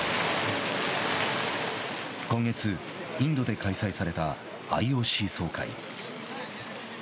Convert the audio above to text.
今月、インドで開催されたＩＯＣ総会。